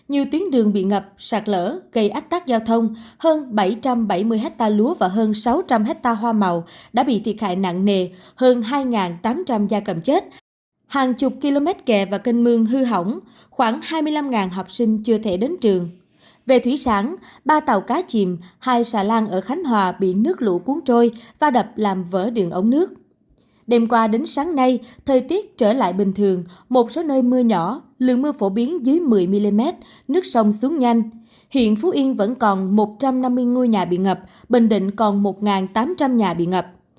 hiện phú yên vẫn còn một trăm năm mươi ngôi nhà bị ngập bình định còn một tám trăm linh nhà bị ngập